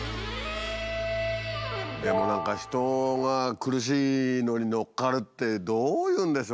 でも何か人が苦しいのにのっかるってどういうんでしょうね？